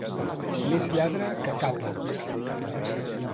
Més lladre que Capa.